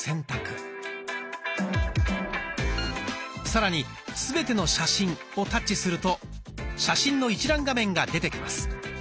さらに「すべての写真」をタッチすると写真の一覧画面が出てきます。